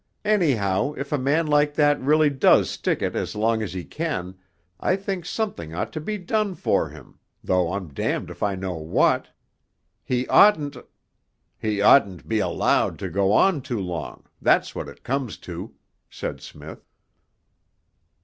Anyhow, if a man like that really does stick it as long as he can, I think something ought to be done for him, though I'm damned if I know what. He oughtn't....' 'He oughtn't to be allowed to go on too long that's what it comes to,' said Smith.